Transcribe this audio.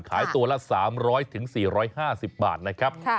ขายตัวละ๓๐๐๔๕๐บาทนะครับ